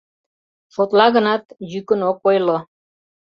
— Шотла гынат, йӱкын ок ойло...